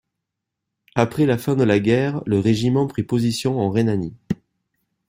Après la fin de la guerre, le régiment prit position en Rhénanie.